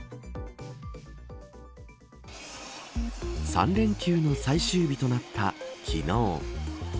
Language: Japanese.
３連休の最終日となった昨日。